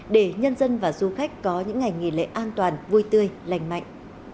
để nhân dân và du khách có những ngày nghỉ lễ an toàn vui tươi lành mạnh